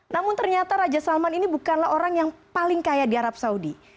namun ternyata raja salman ini bukanlah orang yang paling kaya di arab saudi